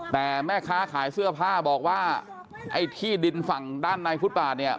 แต่แม่ค้าขายเสื้อผ้าบอกว่าไอ้ที่ดินฝั่งด้านในฟุตบาทเนี่ย